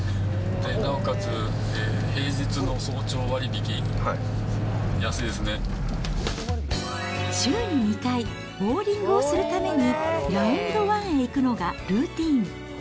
なおかつ、週に２回、ボウリングをするためにラウンドワンへ行くのがルーティン。